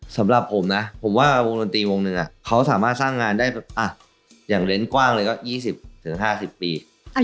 สำหรับผมนะผมว่าวงดนตรีวงหนึ่งเขาสามารถสร้างงานได้แบบอย่างเล้นกว้างเลยก็๒๐๕๐ปี